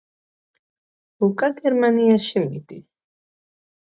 ლუკა გერმანიაში მიდის